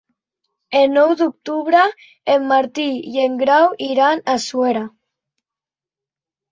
El nou d'octubre en Martí i en Grau iran a Suera.